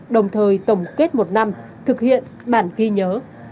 đồng thời tổng kết một năm thực hiện bản ghi nhớ